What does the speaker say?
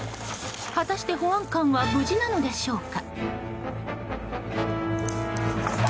果たして保安官は無事なのでしょうか。